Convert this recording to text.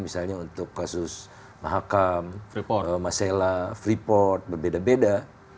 misalnya untuk kasus mahakam masela freeport berbeda beda